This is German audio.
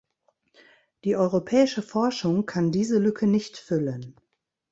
Die europäische Forschung kann diese Lücke nicht füllen.